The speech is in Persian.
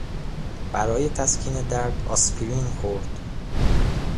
برای تسکین درد آسپرین خورد.